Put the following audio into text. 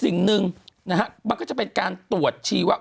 คุณหนุ่มกัญชัยได้เล่าใหญ่ใจความไปสักส่วนใหญ่แล้ว